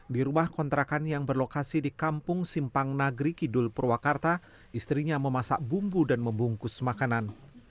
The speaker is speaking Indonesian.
di rumah kontrakan yang berlokasi di kampung simpang nagri kidul purwakarta istrinya memasak bumbu dan membungkus makanan